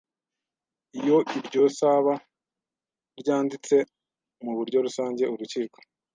Iyo iryo saba ryanditse mu buryo rusange urukiko